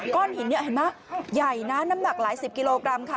ก้อนหินนี้เห็นไหมใหญ่นะน้ำหนักหลายสิบกิโลกรัมค่ะ